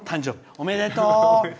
おめでとう！